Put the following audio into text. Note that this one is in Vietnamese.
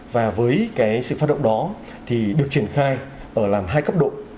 và với cái sự phát động đó thì được triển khai ở làm hai cấp độ